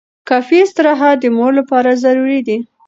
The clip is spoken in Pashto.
کافي استراحت د مور لپاره ضروري دی.